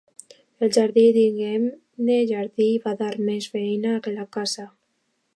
El jardí, diguem-ne jardí, va dar més feina que la casa.